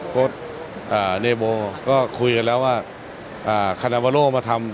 เนโบก็คุยกันแล้วว่าคานาวาโลมาทำ